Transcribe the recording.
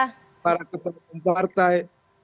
para ketua umum partai